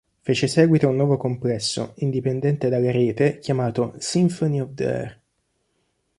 Fece seguito un nuovo complesso, indipendente dalla rete, chiamato "'Symphony of the Air'".